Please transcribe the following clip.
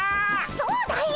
そうだよ！